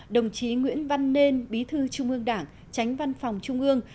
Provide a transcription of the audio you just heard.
đồng chí nguyễn văn nên bí thư trung ương đảng tránh văn phòng trung ương